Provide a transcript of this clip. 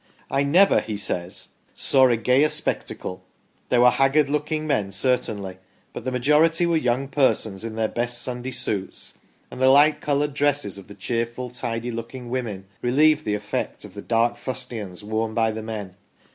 " I never," he says, " saw a gayer spectacle. There were haggard looking men, certainly, but the majority were young persons, in their best Sunday suits, and the light coloured dresses of the cheerful, tidy looking women relieved the effect of the dark fustians worn by the men.